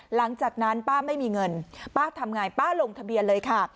หลังจากนั้นป้าไม่มีเงินป้าทำไงป้าลงทะเบียนเลยค่ะ